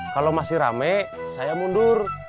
kalau masih rame saya mundur